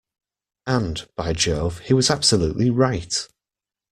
And, by Jove, he was absolutely right.